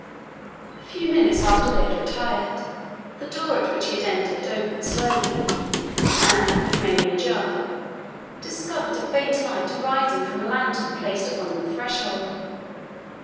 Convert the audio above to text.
A few minutes after they had retired, the door at which he had entered opened slowly, and remaining ajar, discovered a faint light arising from a lantern placed upon the threshold.